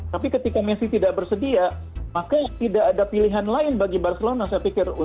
tapi ketika messi tidak bersedia maka tidak ada pilihan lain bagi barcelona saya pikir